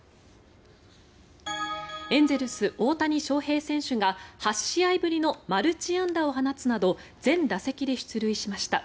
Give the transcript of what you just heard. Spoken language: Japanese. エンゼルス、大谷翔平選手が８試合ぶりのマルチ安打を放つなど全打席で出塁しました。